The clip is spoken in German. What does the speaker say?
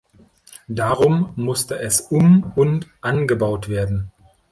Darum musste es um- und angebaut werden.